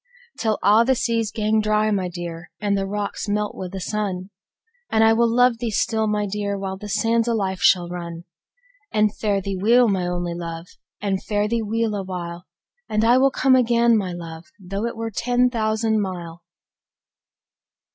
Till a1 the seas gang dry, my dear, And the rocks melt wi' the sun ! And I will luve thee still, my dear, While the sands o' life shall run. And fare thee weel, my only luve, And fare thee weel a while ! And I will come again, my Juve, Tho' it were ten thousand mile.